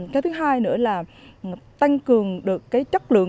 cái thứ hai nữa là tăng cường được cái chất lượng